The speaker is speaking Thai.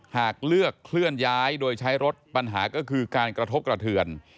หากเลือกเคลื่อนย้ายโดยใช้รถปัญหาก็คือการกระทบกระเทือน